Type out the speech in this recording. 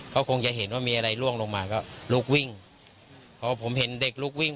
เขาคงจะเห็นว่ามีอะไรล่วงลงมาก็ลุกวิ่งพอผมเห็นเด็กลุกวิ่ง